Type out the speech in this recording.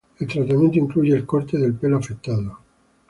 El tratamiento incluye el corte del pelo afectado.